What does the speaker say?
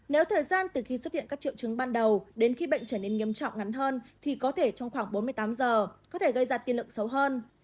nếu thời gian từ khi xuất hiện các triệu chứng ban đầu đến khi bệnh trở nên nghiêm trọng ngắn hơn thì có thể trong khoảng bốn mươi tám giờ có thể gây ra tiên lượng xấu hơn